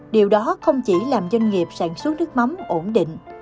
điều đó không chỉ làm doanh nghiệp sản xuất nước mắm ổn định